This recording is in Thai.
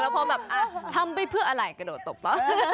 แล้วพอแบบทำเพื่ออะไรกระโดดตบต่อ